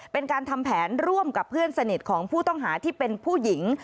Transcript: เป็นการทำแผนร่วมกับเพื่อนสนิทของผู้ต้องหาที่เป็นผู้หญิง